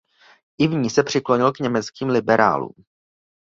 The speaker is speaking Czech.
I v ní se přiklonil k německým liberálům.